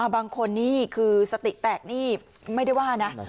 บางคนนี่คือสติแตกนี่ไม่ได้ว่านะ